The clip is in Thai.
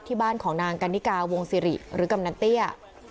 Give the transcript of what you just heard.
ที่บ้านของนางกันนิกาวงศิริหรือกำนันเตี้ย